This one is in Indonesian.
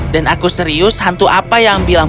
dan aku serius hantu apa yang bilang